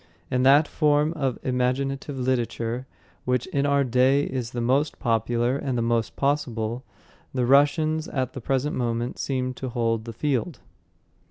In that form of imaginative literature, which in our day is the most popular and the most possible, the Russians at the present moment seem to me to hold the field."